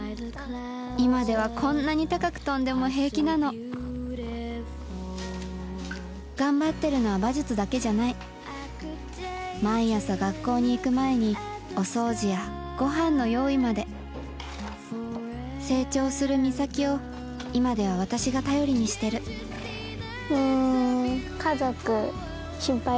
今ではこんなに高く跳んでも平気なの頑張ってるのは馬術だけじゃない毎朝学校に行く前にお掃除やごはんの用意まで成長する心咲を今では私が頼りにしてるうん家族。